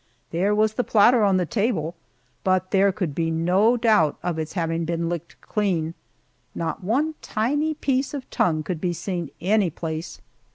There was the platter on the table, but there could be no doubt of its having been licked clean. Not one tiny piece of tongue could be seen any place.